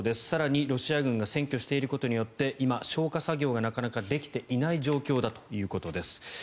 更に、ロシア軍が占拠していることによって今、消火作業がなかなかできていない状況だということです。